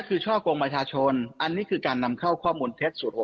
คือช่อกงประชาชนอันนี้คือการนำเข้าข้อมูลเท็จ๐๖